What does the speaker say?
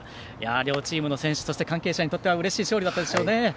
両チームの選手そして関係者にとってはうれしい勝利だったでしょうね。